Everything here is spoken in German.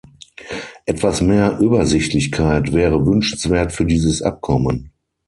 Etwas mehr Übersichtlichkeit wäre wünschenswert für dieses Abkommen.